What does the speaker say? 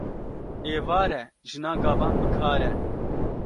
Êvar e jina gavan bi kar e